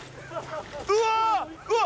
うわうわっ！